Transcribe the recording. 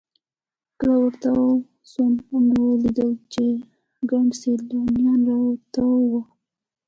کله ورتاو سوم ومې لېدل چې ګڼ سیلانیان راتاو وو.